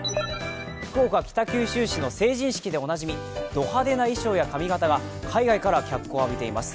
福岡県北九州市の成人式でおなじみ、ド派手な衣装や髪型が海外から脚光を浴びています。